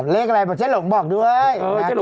เลขอะไรบอกเจ๊หลงบอกด้วย